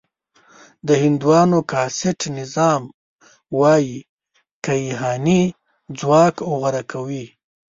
د هندوانو کاسټ نظام وايي کیهاني ځواک غوره کوي.